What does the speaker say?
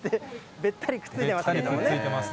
べったりくっついてますね。